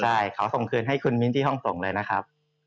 ใช่ขอส่งคืนให้คุณมิ้นที่ห้องส่งเลยนะครับ